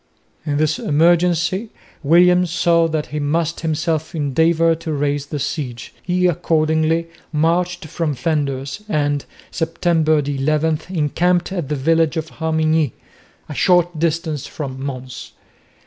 In this emergency William saw that he must himself endeavour to raise the siege. He accordingly marched from Flanders and, September 11, encamped at the village of Harmignies, a short distance from Mons.